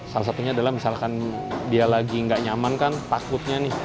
salah satunya adalah misalkan dia lagi nggak nyaman kan takutnya nih